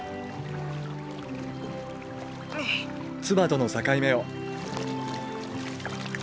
ツバとの境目を。